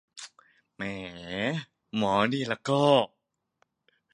แหมหมอ